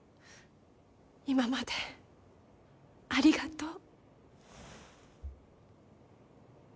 今までありがとう。